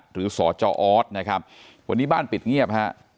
สจออสนะครับวันนี้บ้านปิดเงียบฮะ